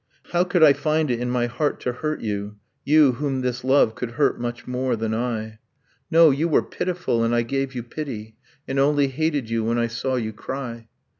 How could I find it in my heart to hurt you, You, whom this love could hurt much more than I? No, you were pitiful, and I gave you pity; And only hated you when I saw you cry.